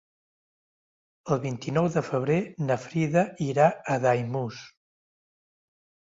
El vint-i-nou de febrer na Frida irà a Daimús.